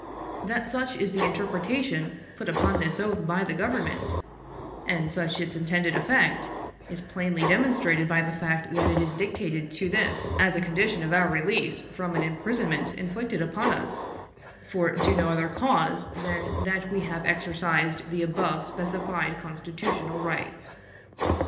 That such is the interpretation put upon this oath by the Government, and such its intended effect is plainly demonstrated by the fact that it is dictated to this as a condition of our release from an imprisonment inflicted upon us for do other cause than that we have exercised the above specified constitutional rights."